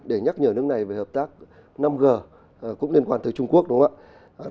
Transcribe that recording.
để nhắc nhở nước này về hợp tác năm g cũng liên quan tới trung quốc đúng không ạ